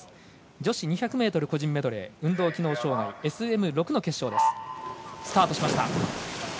女子２００ｍ個人メドレー運動機能障がいＳＭ６の決勝。